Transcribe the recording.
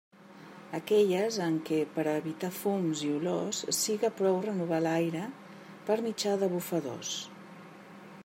Aquelles en què per a evitar fums i olors siga prou renovar l'aire per mitjà de bufadors.